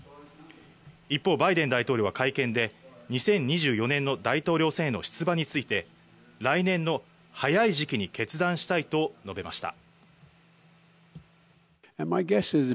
一方、バイデン大統領は会見で、２０２４年の大統領選への出馬について、来年の早い時期に決断したいと述べました。